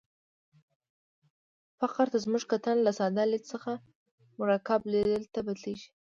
فقر ته زموږ کتنه له ساده لید څخه مرکب لید ته بدلېږي.